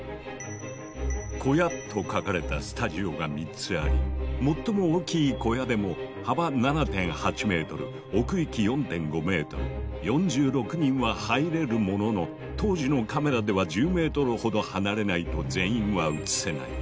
「小屋」と書かれたスタジオが３つあり最も大きい小屋でも幅７．８ｍ奥行き４．５ｍ４６人は入れるものの当時のカメラでは１０ｍほど離れないと全員は写せない。